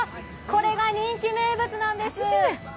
これが人気名物なんです。